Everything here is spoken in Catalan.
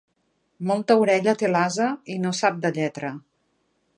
Molta orella té l'ase i no sap de lletra.